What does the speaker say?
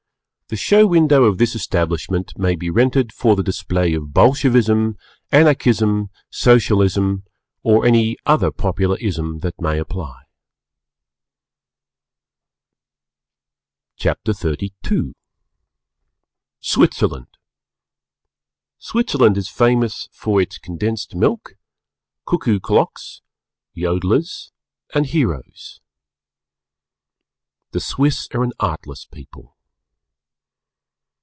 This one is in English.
the Show Window of this establishment may be rented for the display of Bolshevism, Anarchism, Socialism, or any other popular Ism that may apply. CHAPTER XXXII SWITZERLAND Switzerland is famous for its Condensed Milk, Cuckoo Clocks, Yodelers, and Heroes. The Swiss are an Artless people.